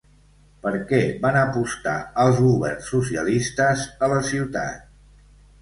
Per què van apostar els governs socialistes a la ciutat?